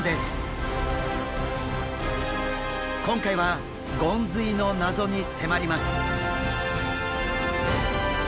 今回はゴンズイの謎に迫ります。